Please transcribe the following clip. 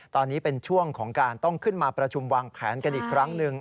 ตอนนี้เป็นช่วงของการต้องขึ้นมาประชุมวางแผนกันอีกครั้งหนึ่ง